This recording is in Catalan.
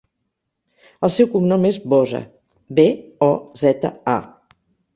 El seu cognom és Boza: be, o, zeta, a.